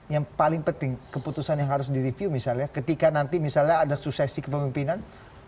yang paling penting keputusan yang harus direview misalnya ketika nanti misalnya ada suksesi kepemimpinan